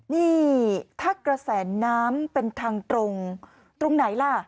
นี่ถ้ากระแสน้ำเป็นทางตรงตรงไหนล่ะ